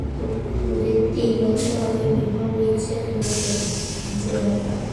ওদের তিন বছর আগে বিবাহবিচ্ছেদ হয়েছে, বাজে ব্যাপার।